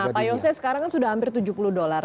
dunia nah payose sekarang kan sudah hampir tujuh puluh dolar